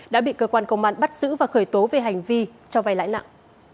đã bị cơ quan công an bắt giữ và khởi tố về hành vi cho vay lãi nặng